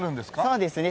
そうですね。